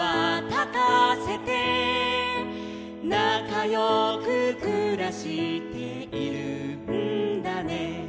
「なかよくくらしているんだね」